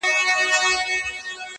یو فکر مې سر او زړه نیولی رانه دی